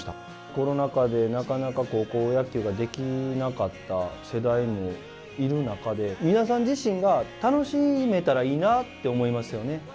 コロナ禍で、なかなか高校野球ができなかった世代もいる中で皆さん自身が楽しめたらいいなって思いますよね。